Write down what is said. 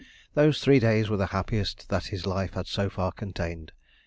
Those three days were the happiest that his life had so far contained.